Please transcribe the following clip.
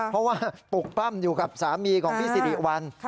เพราะว่าปลุกปล้ำอยู่กับสามีของพี่สิริวัล